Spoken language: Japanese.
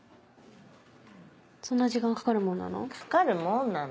そんな時間かかるもんなの？